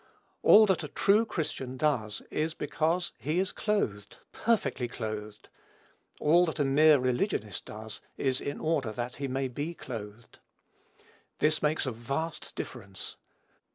All that a true Christian does, is because he is clothed, perfectly clothed; all that a mere religionist does, is in order that he may be clothed. This makes a vast difference.